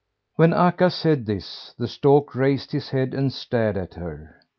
When Akka said this, the stork raised his head and stared at her.